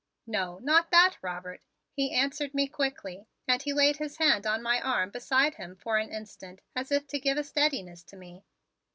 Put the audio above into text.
"No, not that, Robert," he answered me quickly and he laid his hand on my arm beside him for an instant as if to give a steadiness to me.